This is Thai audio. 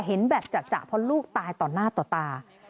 เห็นแบบจะเพราะลูกตายต่อหน้าต่อตา